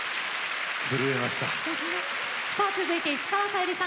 続いては、石川さゆりさん